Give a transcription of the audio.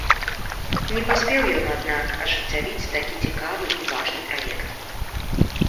Не паспеў ён, аднак, ажыццявіць такі цікавы і важны праект.